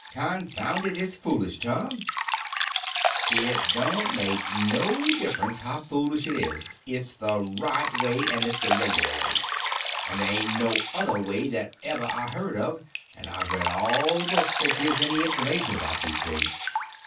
"Confound it, it's foolish, Tom." "It don't make no difference how foolish it is, it's the right way—and it's the regular way. And there ain't no other way, that ever I heard of, and I've read all the books that gives any information about these things.